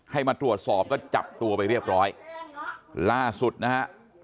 ให้มาตรวจสอบก็จับตัวไปเรียบร้อยล่าสุดนะฮะ